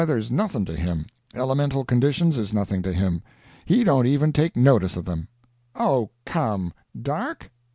Weather's nothing to him elemental conditions is nothing to him he don't even take notice of them." "Oh, come! Dark?